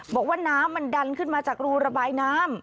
บอกว่าน้ำมันดันขึ้นมาจากรูระบายน้ำ